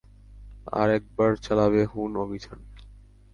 আর একবার চালাবে হুন অভিযান।